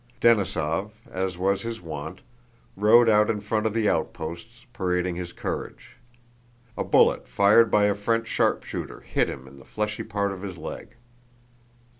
Denísov, as was his wont, rode out in front of the outposts, parading his courage. A bullet fired by a French sharpshooter hit him in the fleshy part of his leg.